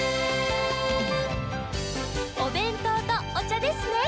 「おべんとうとおちゃですね